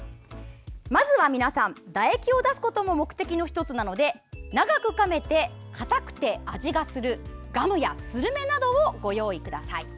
まずは皆さん、唾液を出すことも目的の１つなので長くかめて、かたくて味がするガムやスルメなどをご用意ください。